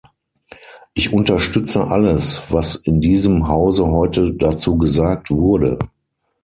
Ich unterstütze alles, was in diesem Hause heute dazu gesagt wurde.